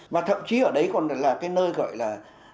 và thậm chí ở đấy còn là cái nơi gọi là